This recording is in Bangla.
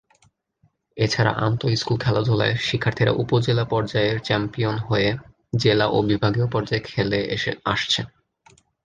এছাড়া আন্ত:স্কুল খেলাধুলায় শিক্ষার্থীরা উপজেলা পর্যায়ে চ্যাম্পিয়ন হয়ে জেলা ও বিভাগীয় পর্যায়ে খেলে আসছে।